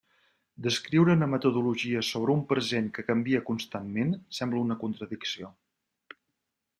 Descriure una metodologia sobre un present que canvia constantment sembla una contradicció.